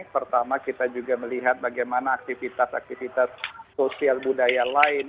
pertama kita juga melihat bagaimana aktivitas aktivitas sosial budaya lain